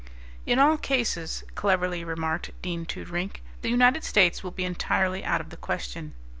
"In all cases," cleverly remarked Dean Toodrink, "the United States will be entirely out of the question."